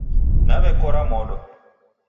Nawekora modo